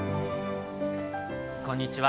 こんにちは。